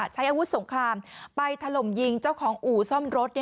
ใช้อาวุธสงครามไปถล่มยิงเจ้าของอู่ซ่อมรถ